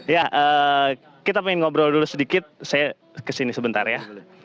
ya kita ingin ngobrol dulu sedikit saya kesini sebentar ya